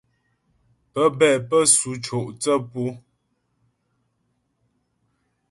Pə́bɛ pə́ sʉ co' thə́ pu.